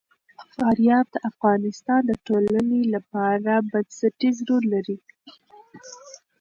فاریاب د افغانستان د ټولنې لپاره بنسټيز رول لري.